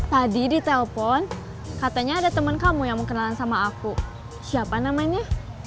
tadi ditelpon katanya ada temen kamu yang mau kenalan sama aku siapa namanya